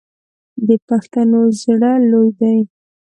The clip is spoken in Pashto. د پښتنو زړه لوی دی.